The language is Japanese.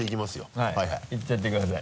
はい。いっちゃってください。